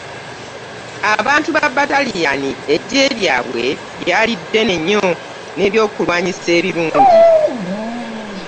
Abantu ba Italian eggye lyabwe lyali ddene nnyo n'eby'okulwanyisa ebirungi.